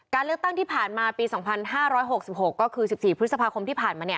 เลือกตั้งที่ผ่านมาปี๒๕๖๖ก็คือ๑๔พฤษภาคมที่ผ่านมา